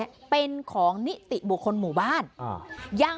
สุดทนแล้วกับเพื่อนบ้านรายนี้ที่อยู่ข้างกัน